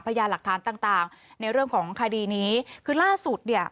พยายามหลักฐานต่างต่างในเรื่องของคดีนี้คือล่าสุดเนี่ย